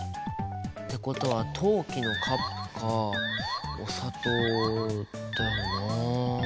ってことは陶器のカップかお砂糖だよなあ。